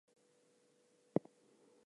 They achieved greatness, and so can you.